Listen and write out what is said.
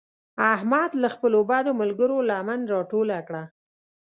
احمد له خپلو بدو ملګرو لمن راټوله کړه.